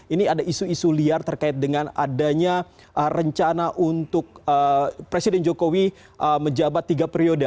ini ada isu isu liar terkait dengan adanya rencana untuk presiden jokowi menjabat tiga periode